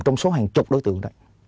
trong số hàng chục đối tượng